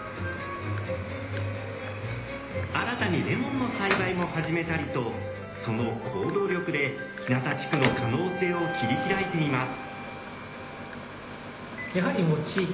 新たにレモンの栽培も始めたりとその行動力で日向地区の可能性を切り開いています。